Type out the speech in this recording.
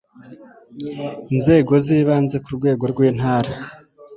inzego zibanze ku rwego rw intara